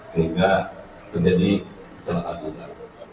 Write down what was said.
sehingga terjadi kecelakaan di jalan jalan